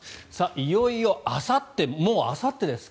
いよいよあさってもうあさってです。